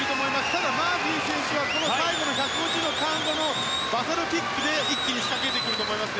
ただ、マーフィー選手は最後の１５０のターン後のバサロキックで一気に仕掛けると思います。